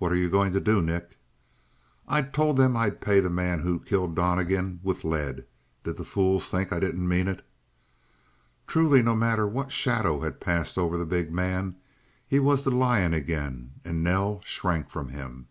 "What are you going to do, Nick?" "I told them I'd pay the man who killed Donnegan with lead. Did the fools think I didn't mean it?" Truly, no matter what shadow had passed over the big man, he was the lion again, and Nell shrank from him.